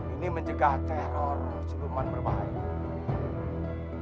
ini menjegah teror siluman berbahaya